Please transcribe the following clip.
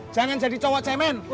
jangan jadi cowok cemen